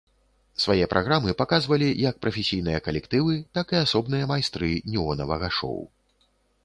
Свае праграмы паказвалі як прафесійныя калектывы, так і асобныя майстры неонавага шоў.